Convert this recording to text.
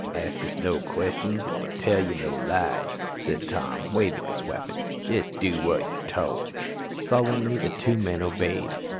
"Ask us no questions an' we'll tell you no lies," said Tom, waving his weapon. "Jest do what you're tole." Sullenly the two men obeyed.